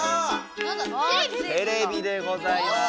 テレビでございます。